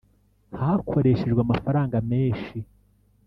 hakoreshejwe amafaranga meshi